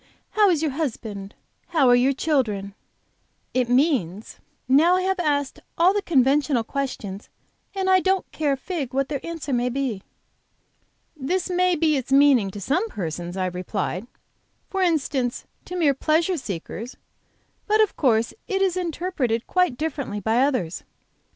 how is your husband? How are your children? ' it means, 'Now I have asked all the conventional questions, and I don't care a fig what their answer may be.'" "This may be its meaning to some persons," I replied, "for instance, to mere pleasure seekers. But of course it is interpreted quite differently by others.